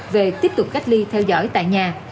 về tiếp tục cách ly theo dõi tại nhà